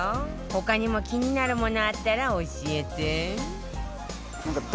他にも気になるものあったら教えて